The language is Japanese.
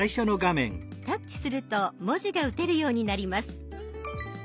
タッチすると文字が打てるようになります。